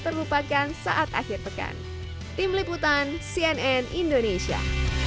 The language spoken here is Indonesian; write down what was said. terlalu banyak dan saat akhir pekan tim liputan cnn indonesia